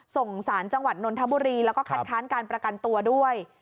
ส่งสารจังหวัดนนทบุรีแล้วก็คัดค้านการประกันตัวด้วย